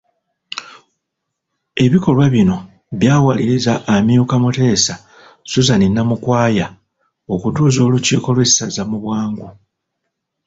Ebikolwa bino, byawalirizza amyuka Muteesa, Suzan Namukwaya, okutuuza olukiiko lw'essaza mu bwangu